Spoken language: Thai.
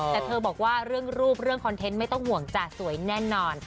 แต่เธอบอกว่าเรื่องรูปเรื่องคอนเทนต์ไม่ต้องห่วงจ้ะสวยแน่นอน